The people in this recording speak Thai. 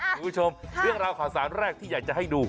คุณผู้ชมเรื่องราวข่าวสารแรกที่อยากจะให้ดู